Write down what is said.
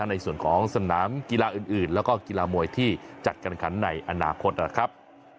ในส่วนของสนามกีฬาอื่นแล้วก็กีฬามวยที่จัดการขันในอนาคตนะครับ